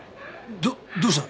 どっどうした。